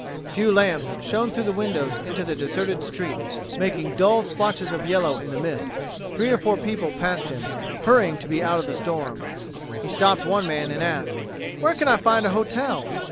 A few lamps shone through the windows into the deserted street, making dull splotches of yellow in the mist. Three or four people passed him, hurrying to be out of the storm. He stopped one man and asked: "Where can I find a hotel?"